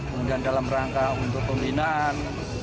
kemudian dalam rangka untuk pembinaan